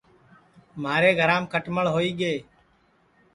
مھارے گھرام کھٹݪ ہوئی گے